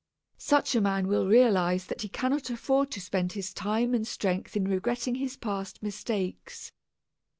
Such a man will realize that he cannot afford to spend his time and strength in regretting his past mistakes.